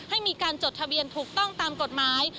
ให้มีการจดทะเบียนถูกต้องตามกฎหมาย